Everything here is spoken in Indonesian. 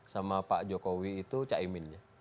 sama pak jokowi itu cak imin